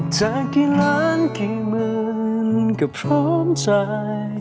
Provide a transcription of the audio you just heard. เจอกี่ล้านกี่หมื่นก็พร้อมใจ